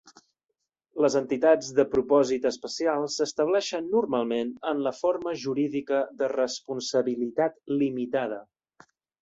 Les entitats de propòsit especial s'estableixen normalment en la forma jurídica de responsabilitat limitada.